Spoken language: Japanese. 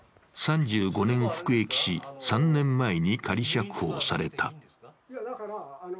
３５年服役し、３年前に仮釈放された。